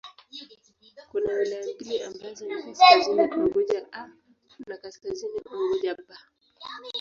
Kuna wilaya mbili ambazo ni Kaskazini Unguja 'A' na Kaskazini Unguja 'B'.